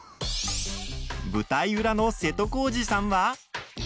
舞台裏の瀬戸康史さんは。